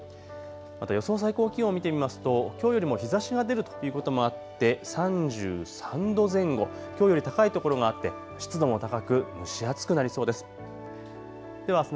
また予想最高気温、見てみますときょうよりも日ざしが出るということもあって３３度前後、きょうより高いところがあって、湿度も高く蒸し暑くなりそうです。